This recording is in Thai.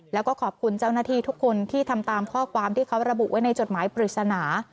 แล้วก็ขอบคุณเจ้าหน้าที่ทุกคนที่ทำตามข้อความที่เขาระบุไว้ในจดหมายปริศนา